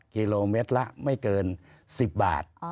กิโลเมตรละไม่เกิน๑๐บาท